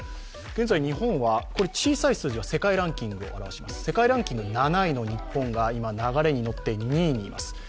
現在、日本は小さい数字は世界ランキングですが、世界ランキング７位の日本が今、流れに乗って６位にいます。